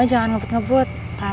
haan etik itu apa ya